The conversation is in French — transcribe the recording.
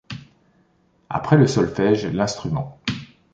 Après le solfège, l'instrument.